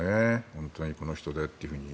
本当に、この人でというふうに。